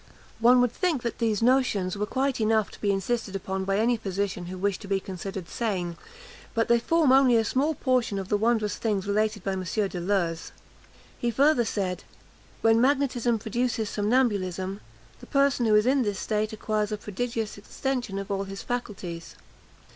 One would think that these "notions" were quite enough to be insisted upon by any physician who wished to be considered sane; but they form only a small portion of the wondrous things related by M. Deleuze. He further said, "When magnetism produces somnambulism, the person who is in this state acquires a prodigious extension of all his faculties.